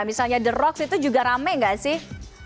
misalnya the rocks itu juga rame gak sih